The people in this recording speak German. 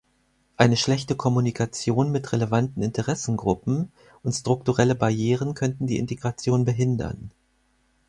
Eine schlechte Kommunikation mit relevanten Interessengruppen und strukturelle Barrieren könnten die Integration behindern.